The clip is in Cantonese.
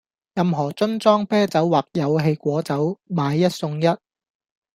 任何樽裝啤酒或有氣果酒買一送一